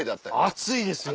熱いですよ。